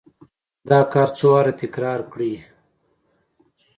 دا کار څو واره تکرار کړئ.